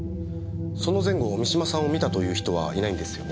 その前後三島さんを見たという人はいないんですよね？